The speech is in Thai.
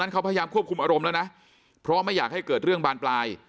เขาพยายามควบคุมอารมณ์แล้วนะเพราะไม่อยากให้เกิดเรื่องบานปลาย